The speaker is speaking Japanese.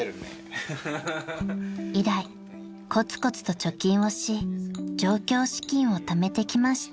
［以来こつこつと貯金をし上京資金をためてきました］